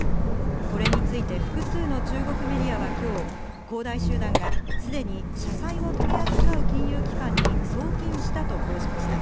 これについて複数の中国メディアは今日、恒大集団がすでに社債を取り扱う金融機関に送金したと報じました。